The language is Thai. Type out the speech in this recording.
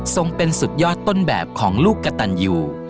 ส่งเป็นสุดยอดต้นแบบของลูกกระตันยู